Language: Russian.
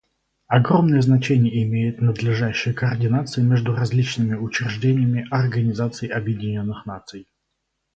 Огромное значение имеет надлежащая координация между различными учреждениями Организации Объединенных Наций.